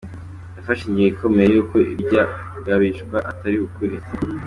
Yafashe ingingo ikomeye y'uko irya gabishwa atari ukuri.